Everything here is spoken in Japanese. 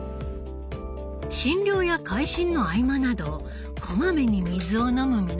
診療や回診の合間などこまめに水を飲む簑原さん。